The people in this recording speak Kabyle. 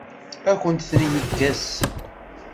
Ad akent-ten-yekkes?